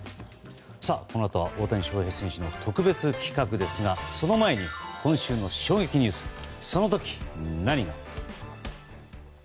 このあとは大谷翔平選手の特別企画ですがその前に今週の衝撃ニュースそのとき何が。